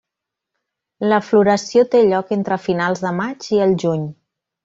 La floració té lloc entre finals de maig i el juny.